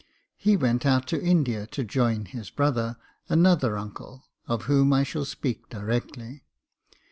He went out to India to join his brother, another uncle, of whom I shall speak directly.